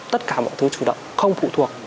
tất cả mọi thứ chủ động không phụ thuộc